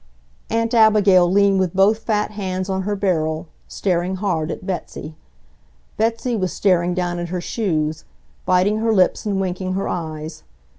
Aunt Abigail leaned with both fat hands on her barrel, staring hard at Betsy. Betsy was staring down at her shoes, biting her lips and winking her eyes.